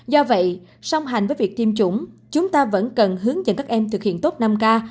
do vậy song hành với việc tiêm chủng chúng ta vẫn cần hướng dẫn các em thực hiện tốt năm k